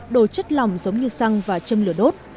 đồ chất lỏng giống như xăng và châm lửa đốt